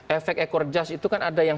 efek ekor jas itu kan ada yang